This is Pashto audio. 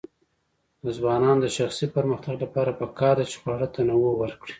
د ځوانانو د شخصي پرمختګ لپاره پکار ده چې خواړه تنوع ورکړي.